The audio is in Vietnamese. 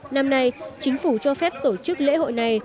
năm nay chính phủ cho phép tổ chức lễ hội này